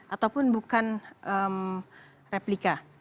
ataupun bukan replika